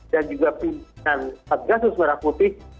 pimpinan satgasus merah putih